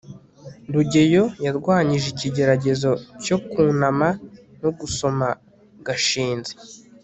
rugeyo yarwanyije ikigeragezo cyo kwunama no gusoma gashinzi